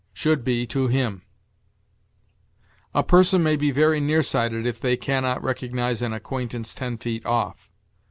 Should be, to him. "A person may be very near sighted if they can not recognize an acquaintance ten feet off."